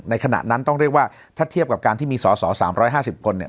ขณะนั้นต้องเรียกว่าถ้าเทียบกับการที่มีสอสอ๓๕๐คนเนี่ย